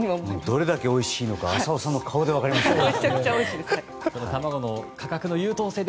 どれだけおいしいのか浅尾さんの顔で分かりますよね。